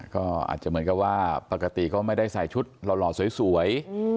ก็อาจจะเหมือนกับว่าปกติก็ไม่ได้ใส่ชุดหล่อสวย